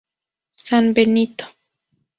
San Benito.